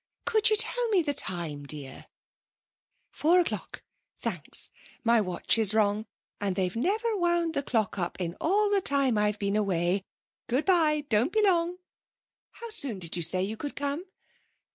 Could you tell me the time, dear?... Four o'clock, thanks. My watch is wrong, and they've never wound the clock up all the time I've been away. Good bye. Don't be long.... How soon did you say you could come?...